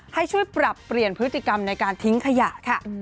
ให้ช่วยปรับเปลี่ยนพฤติกรรมในการทิ้งขยะค่ะ